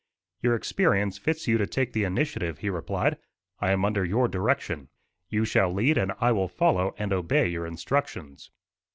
"Your experience fits you to take the initiative," he replied. "I am under your direction. You shall lead, and I will follow and obey your instructions."